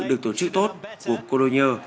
được tổ chức tốt của cologne